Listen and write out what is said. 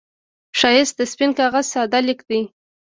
ښایست د سپين کاغذ ساده لیک دی